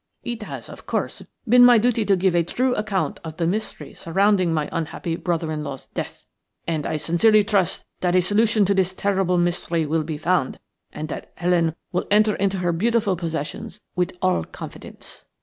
It has, of course, been my duty to give a true account of the mystery surrounding my unhappy brother in law's death, and I sincerely trust that a solution to this terrible mystery will be found, and that Helen will enter into her beautiful possessions with all confidence."